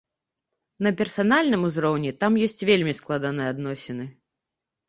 На персанальным узроўні там ёсць вельмі складаныя адносіны.